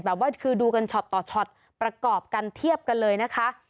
ว่าคือดูกันช็อตต่อช็อตประกอบกันเทียบกันเลยนะคะ